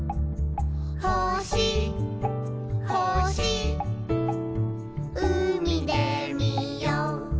「ほしほしうみでみよう」